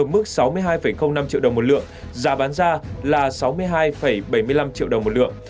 mức sáu mươi hai năm triệu đồng một lượng giá bán ra là sáu mươi hai bảy mươi năm triệu đồng một lượng